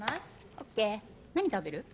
ＯＫ何食べる？